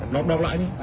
đọc đọc lại nhé